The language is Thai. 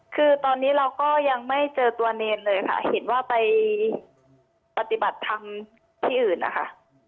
คือตอนนี้เราก็ยังไม่เจอตัวเนรเลยค่ะเห็นว่าไปปฏิบัติธรรมที่อื่นนะคะ